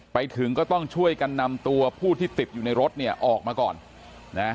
ไปถึงก็ต้องช่วยกันนำตัวผู้ที่ติดอยู่ในรถเนี่ยออกมาก่อนนะ